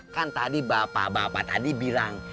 kan tadi bapak bapak tadi bilang